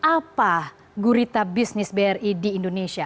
seperti apa gurita business bri di indonesia